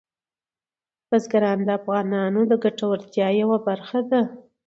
بزګان د افغانانو د ګټورتیا یوه برخه ده.